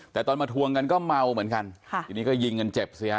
แต่ตอนมาทวงกันก็เมาเหมือนกันยิงเจ็บ